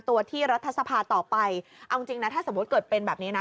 ตัวที่รัฐสภาต่อไปเอาจริงจริงนะถ้าสมมุติเกิดเป็นแบบนี้นะ